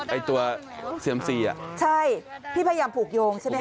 ไอ้ตัวเซียมซีอ่ะใช่พี่พยายามผูกโยงใช่ไหมค